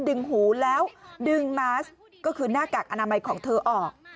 หูแล้วดึงมาสก็คือหน้ากากอนามัยของเธอออก